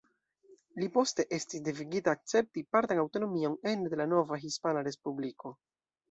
Li poste estis devigita akcepti partan aŭtonomion ene de la nova Hispana Respubliko.